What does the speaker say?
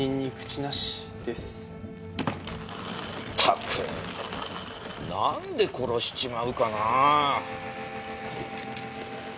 ったくなんで殺しちまうかなあ！